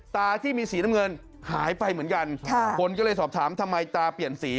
ตาที่มีสีน้ำเงินหายไปเหมือนกันคนก็เลยสอบถามทำไมตาเปลี่ยนสี